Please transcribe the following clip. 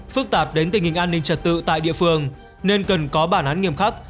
phức tạp đến tình hình an ninh trật tự tại địa phương nên cần có bản án nghiêm khắc